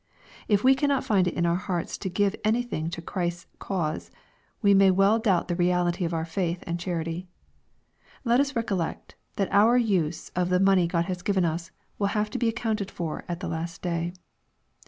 If we can not find it in our hearts to gi^i&^nything to Christ's cause, we may well doubt the reality of our faith and charity. — Let us recollect that our use of t^e money God has given us, will have to be accounted for at the last day.